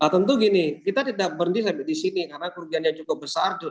tentu gini kita tidak berhenti sampai di sini karena kerugiannya cukup besar